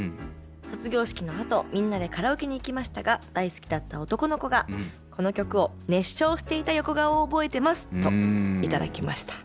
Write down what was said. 卒業式のあとみんなでカラオケに行きましたが大好きだった男の子がこの曲を熱唱していた横顔を覚えてます」と頂きました。